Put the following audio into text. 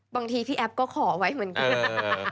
พี่แอฟก็ขอไว้เหมือนกัน